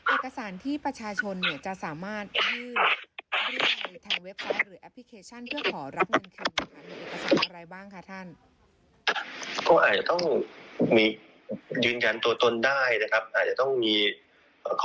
เอกสารที่ประชาชนเนี่ยจะสามารถยื่นได้ทางเว็บไซต์